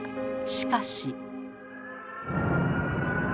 しかし。